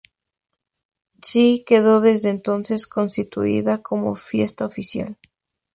C., quedó desde entonces constituida como fiesta oficial.